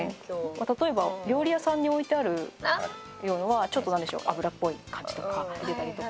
例えば料理屋さんに置いてあるようなのはちょっとなんでしょう油っぽい感じとか出てたりとか。